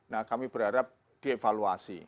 nah kami berharap dievaluasi